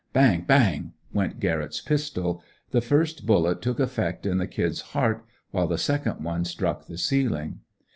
Bang! Bang! went Garrett's pistol. The first bullet took effect in the "Kid's" heart, while the next one struck the ceiling.